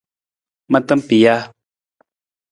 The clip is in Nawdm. Mata pija.